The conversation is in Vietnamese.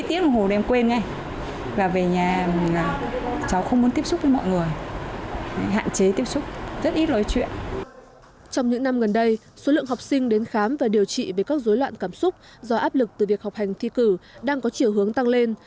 trong những năm gần đây số lượng học sinh đến khám và điều trị về các dối loạn cảm xúc do áp lực từ việc học hành thi cử đang có chiều hướng tăng lên